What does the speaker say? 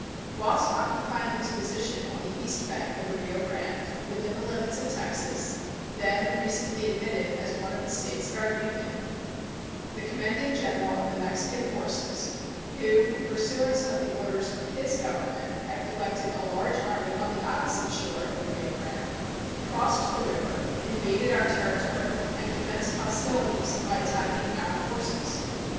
Whilst occupying his position on the east bank of the Rio Grande, within the limits of Texas, then recently admitted as one of the States of our Union, the commanding general of the Mexican forces, who, in pursuance of the orders of his Government, had collected a large army on the opposite shore of the Rio Grande, crossed the river, invaded our territory, and commenced hostilities by attacking our forces.